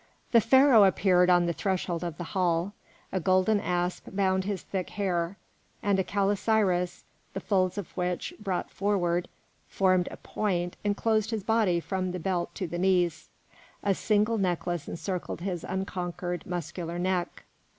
The Pharaoh appeared on the threshold of the hall. A golden asp bound his thick hair, and a calasiris, the folds of which, brought forward, formed a point, enclosed his body from the belt to the knees; a single necklace encircled his unconquered, muscular neck.